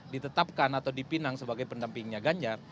ditetapkan atau dipinang sebagai pendampingnya ganjar